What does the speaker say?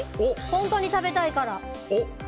本当に食べたいから。